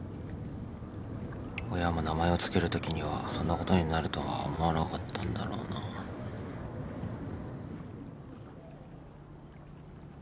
親も名前をつけるときにはそんなことになるとは思わなかったんだろうなぁ。